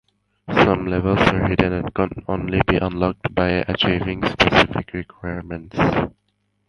Some levels are hidden and can only be unlocked by achieving specific requirements.